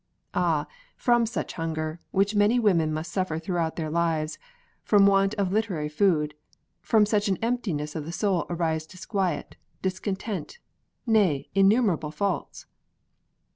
Ah, from such hunger, which many women must suffer throughout their lives, from want of literary food, from such an emptiness of the soul arise disquiet, discontent, nay, innumerable faults."